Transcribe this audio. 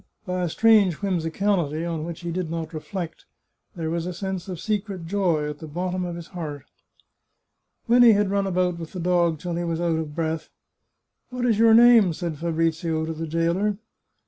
By a strange whimsicality, on which he did not reflect, there was a sense of secret joy at the bottom of his heart. When he had run about with the dog till he was out of breath —" What is your name ?" said Fabrizio to the jailer.